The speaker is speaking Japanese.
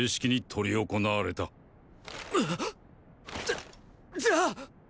じゃじゃあ。